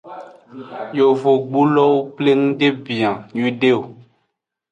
Yovogbulowo pleng de bia nyuiede o.